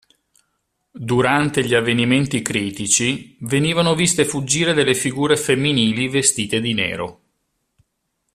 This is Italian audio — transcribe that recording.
Durante gli avvenimenti critici, venivano viste fuggire delle figure femminili vestite di nero.